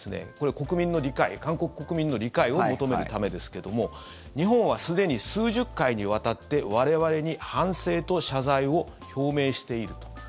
国民の理解、韓国国民の理解を求めるためですけども日本はすでに数十回にわたって我々に反省と謝罪を表明していると。